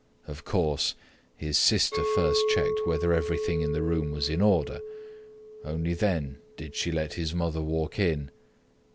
Of course, his sister first checked whether everything in the room was in order. Only then did she let his mother walk in.